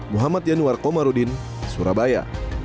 muhammad yanuar komarudin surabaya